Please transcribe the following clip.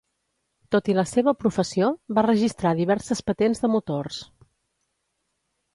Tot i la seva professió, va registrar diverses patents de motors.